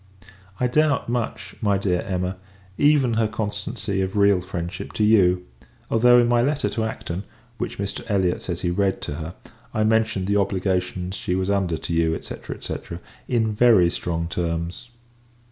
I doubt much, my dear Emma, even her constancy of real friendship to you; although, in my letter to Acton, which Mr. Elliot says he read to her, I mentioned the obligations she was under to you, &c. &c. in very strong terms.